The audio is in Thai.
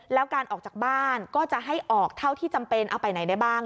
แล้วการออกจากบ้านก็จะให้ออกเท่าที่จำเป็นเอาไปไหนได้บ้าง